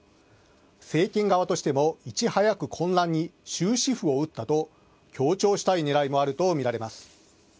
政権側としてもいち早く混乱に終止符を打ったと強調したいねらいもあると見られます。